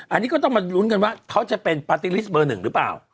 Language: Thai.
อันนี้ก็ต้องมาลุ้นกันว่าเขาจะเป็นปาร์ตี้ลิสต์เบอร์หนึ่งหรือเปล่า